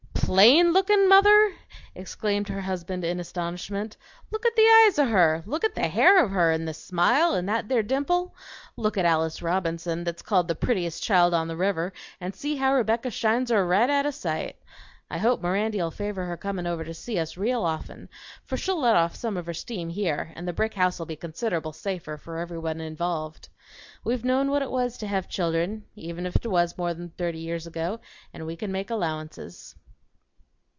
"PLAIN LOOKING, mother?" exclaimed her husband in astonishment. "Look at the eyes of her; look at the hair of her, an' the smile, an' that there dimple! Look at Alice Robinson, that's called the prettiest child on the river, an' see how Rebecca shines her ri' down out o' sight! I hope Mirandy'll favor her comin' over to see us real often, for she'll let off some of her steam here, an' the brick house'll be consid'able safer for everybody concerned. We've known what it was to hev children, even if 't was more 'n thirty years ago, an' we can make allowances."